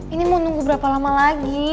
ini mau nunggu berapa lama lagi